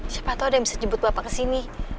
siapa tahu ada yang bisa jemput bapak ke sini